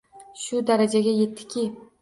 Shu darajaga yetdikki